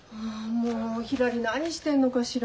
もうひらり何してんのかしら？